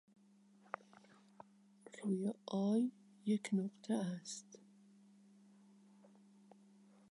روی "i" یک نقطه است.